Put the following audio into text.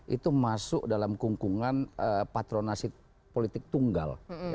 itu masuk dalam kungkungan patronasi politik tunggal